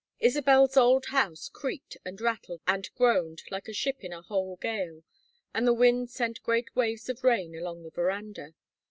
Isabel's old house creaked and rattled and groaned like a ship in a whole gale, and the wind sent great waves of rain along the veranda.